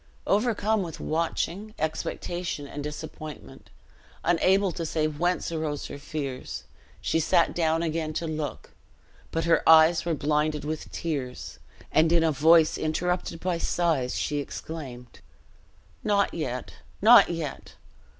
Overcome with watching, expectation, and disappointment, unable to say whence arose her fears, she sat down again to look; but her eyes were blinded with tears, and in a voice interrupted by sighs she exclaimed, "Not yet, not yet!